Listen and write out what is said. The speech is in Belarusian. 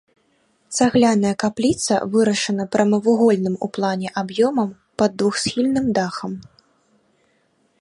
Цагляная капліца вырашана прамавугольным у плане аб'ёмам пад двухсхільным дахам.